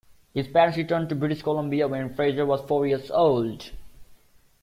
His parents returned to British Columbia when Fraser was four years old.